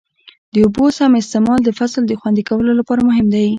د اوبو سم استعمال د فصل د خوندي کولو لپاره مهم دی.